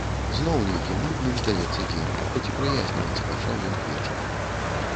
Зноў нейкім нудным здаецца дзень, хоць і праяснівацца пачаў ён к вечару.